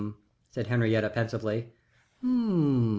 said Henriette, pensively. "H'm!